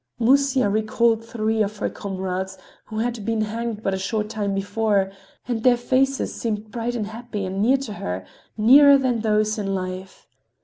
Musya recalled three of her comrades who had been hanged but a short time before, and their faces seemed bright and happy and near to her—nearer than those in life.